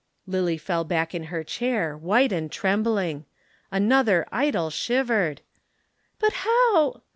Lillie fell back in her chair, white and trembling. Another idol shivered! "But how